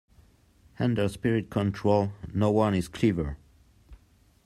Under spirit-control no one is clever.